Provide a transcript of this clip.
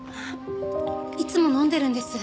いつも飲んでるんです。